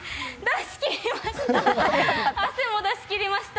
出しきりました。